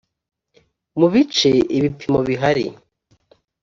mu bice ibipimo bihari